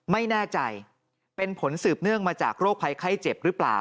ไม่แน่ใจเป็นผลสืบเนื่องมาจากโรคภัยไข้เจ็บหรือเปล่า